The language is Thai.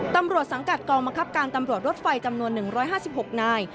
ตำรวจสังกัดกองบังคับการตำรวจรถไฟจำนวน๑๕๖นาย